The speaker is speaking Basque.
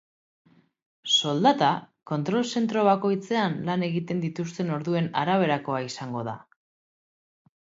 Soldata kontrol zentro bakoitzean lan egiten dituzten orduen araberakoa izango da.